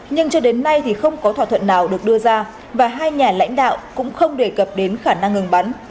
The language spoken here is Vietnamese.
nhưng cho đến nay thì không có thỏa thuận nào được đưa ra và hai nhà lãnh đạo cũng không đề cập đến khả năng ngừng bắn